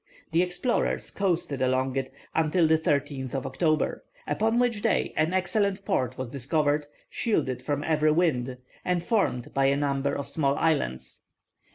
The explorers coasted along it until the 13th October, upon which day an excellent port was discovered, sheltered from every wind, and formed by a number of small islands.